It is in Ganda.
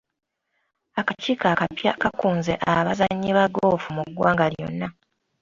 Akakiiko akapya kaakunze abazannyi ba ggoofu mu ggwanga lyonna.